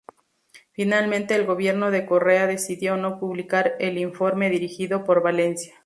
Finalmente el gobierno de Correa decidió no publicar el informe dirigido por Valencia.